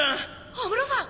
安室さん？